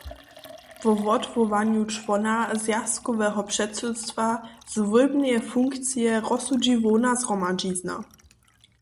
Wo wotwołanju čłona zwjazkoweho předsydstwa z wólbneje funkcije rozsudźi hłowna zhromadźizna.